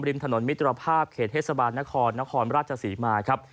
ถนนมิตรภาพเขตเทศบาลนครนครราชศรีมาครับ